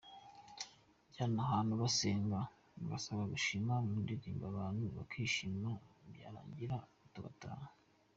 Najyaga ahantu basenga ngasaba gushima mu ndirimbo abantu bakishima byarangira tugataha.